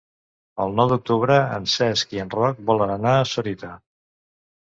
El nou d'octubre en Cesc i en Roc volen anar a Sorita.